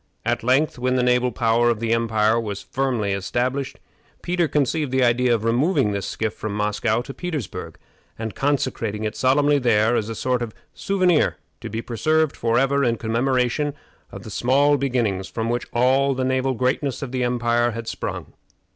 At length, when the naval power of the empire was firmly established, Peter conceived the idea of removing this skiff from Moscow to Petersburg, and consecrating it solemnly there as a sort of souvenir to be preserved forever in commemoration of the small beginnings from which all the naval greatness of the empire had sprung.